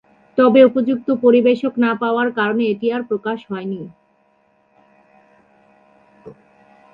তবে উপযুক্ত পরিবেশক না পাওয়ার কারণে এটি আর প্রকাশ হয়নি।